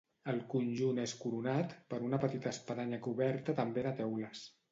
El conjunt és coronat per una petita espadanya coberta també de teules.